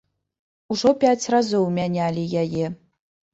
Ужо пяць разоў мянялі яе.